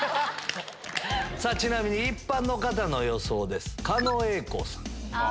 ちなみに一般の方の予想です。